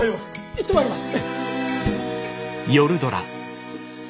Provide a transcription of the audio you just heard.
いってまいります。